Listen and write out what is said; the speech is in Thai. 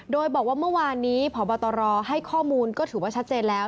โดยบอกว่าเมื่อวานนี้พบตรให้ข้อมูลก็ถือว่าชัดเจนแล้ว